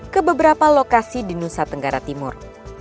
ke beberapa lokasi di nusa tenggara timur